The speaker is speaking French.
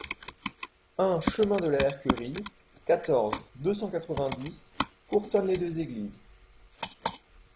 un chemin de la Herquerie, quatorze, deux cent quatre-vingt-dix, Courtonne-les-Deux-Églises